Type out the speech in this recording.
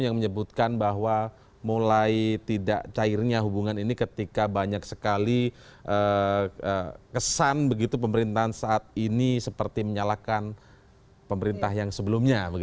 yang menyebutkan bahwa mulai tidak cairnya hubungan ini ketika banyak sekali kesan begitu pemerintahan saat ini seperti menyalakan pemerintah yang sebelumnya